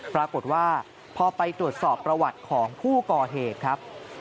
ปรากฏว่าพอไปตรวจสอบประวัติของผู้ก่อเหตุครับ